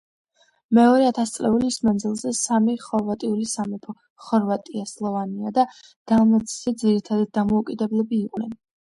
მეორე ათასწლეულის მანძილზე სამი ხორვატული სამეფო: ხორვატია, სლავონია და დალმაცია ძირითადად დამოუკიდებლები იყვნენ.